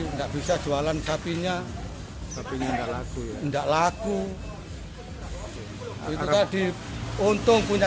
enggak bisa jualan sapinya tapi enggak lagu enggak lagu itu tadi untung punya